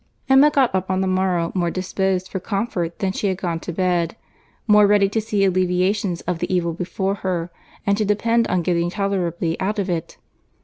Emma got up on the morrow more disposed for comfort than she had gone to bed, more ready to see alleviations of the evil before her, and to depend on getting tolerably out of it.